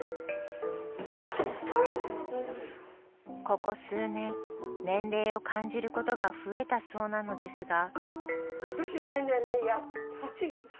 ここ数年年齢を感じることが増えたそうなのですが。